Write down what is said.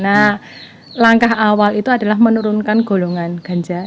nah langkah awal itu adalah menurunkan golongan ganja